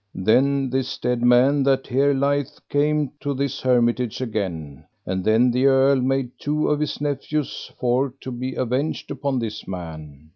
Then this dead man that here lieth came to this hermitage again; and then the earl made two of his nephews for to be avenged upon this man.